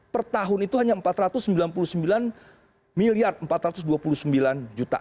per tahun itu hanya empat ratus sembilan puluh sembilan miliar empat ratus dua puluh sembilan juta